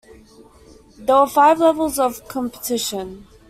There were five levels of competition.